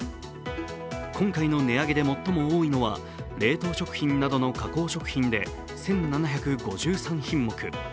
今回の値上げで最も多いのは冷凍食品などの加工食品で１７５３品目。